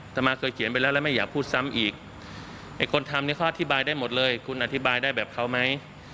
ต่อมาเคยเขียนไปแล้วแล้วไม่อยากพูดซ้ำอีกไอ้คนทำเนี่ยเขาอธิบายได้หมดเลยคุณอธิบายได้แบบเขาไหม